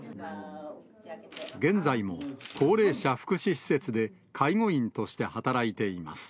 現在も高齢者福祉施設で介護員として働いています。